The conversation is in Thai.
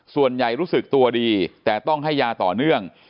ส่วนตัวรู้สึกตัวดีแต่ต้องให้ยาต่อเนื่อง